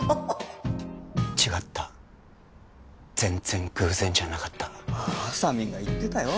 違った全然偶然じゃなかったあさみんが言ってたよ